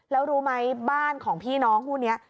แล้วรู้ไหมบ้านของพี่น้องคู่นี้